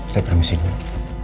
saya permisi dulu